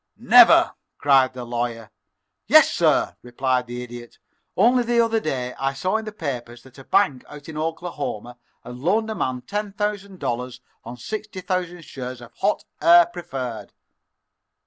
"Never!" cried the Lawyer. "Yes, sir," replied the Idiot. "Only the other day I saw in the papers that a bank out in Oklahoma had loaned a man ten thousand dollars on sixty thousand shares of Hot Air preferred."